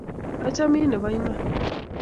Achamin nepo iman